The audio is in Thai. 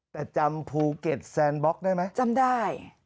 แต่จำภูเก็ตแซนบล็อกได้ไหมจำได้